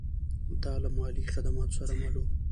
دا له مالي خدماتو سره مل و